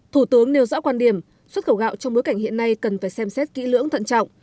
thủ tướng nêu rõ quan điểm xuất khẩu gạo trong bối cảnh hiện nay cần phải xem xét kỹ lưỡng thận trọng